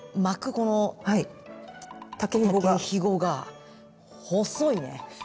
この竹ひごが細いね。